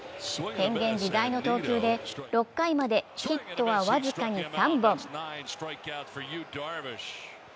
変幻自在の投球で６回までヒットは僅かに３本。